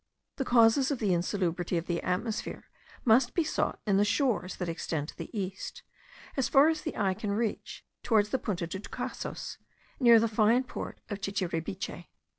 The causes of the insalubrity of the atmosphere must be sought in the shores that extend to the east, as far as the eye can reach, towards the Punta de Tucasos, near the fine port of Chichiribiche.